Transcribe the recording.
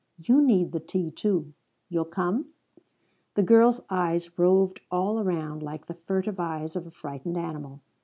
"You need the tea, too. You'll come?" The girl's eyes roved all around like the furtive eyes of a frightened animal.